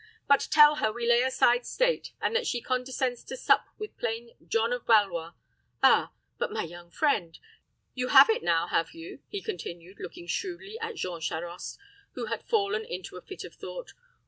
But tell her we lay aside state, and that she condescends to sup with plain John of Valois. Ah, my young friend! you have it now, have you?" he continued, looking shrewdly at Jean Charost, who had fallen into a fit of thought.